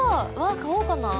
買おうかな。